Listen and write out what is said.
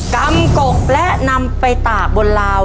กำกกและนำไปตากบนลาว